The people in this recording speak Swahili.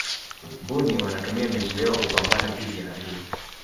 mbuni wanatumia miguu yao kupambana dhidi ya adui